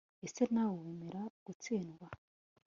ese nawe wemera gutsindwa